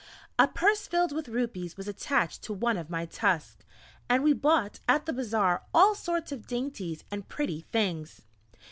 A purse filled with rupees was attached to one of my tusks, and we bought at the Bazaar all sorts of dainties and pretty things.